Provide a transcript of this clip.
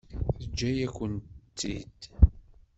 Teǧǧa-yakent-tt-id?